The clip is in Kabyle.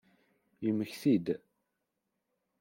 Yemmekti-d.